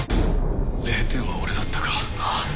「０点は俺だったか」